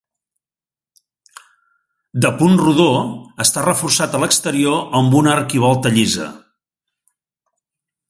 De punt rodó, està reforçat a l'exterior amb una arquivolta llisa.